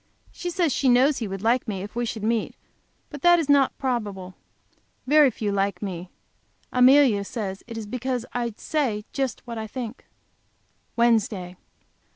She says she knows he would like me if we should meet. But that is not probable. Very few like me. Amelia says it is because I say just what I think. Wednesday.